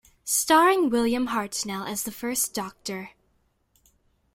Starring William Hartnell as the First Doctor.